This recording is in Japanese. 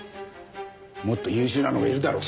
もっと優秀なのがいるだろう